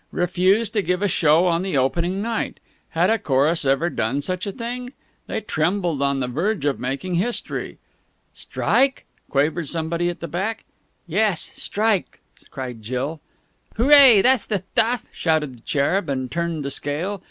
Refuse to give a show on the opening night! Had a chorus ever done such a thing? They trembled on the verge of making history. "Strike?" quavered somebody at the back. "Yes, strike!" cried Jill. "Hooray! That's the thtuff!" shouted the Cherub, and turned the scale.